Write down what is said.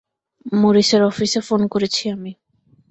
মরিসের অফিসে ফোন করেছি আমি।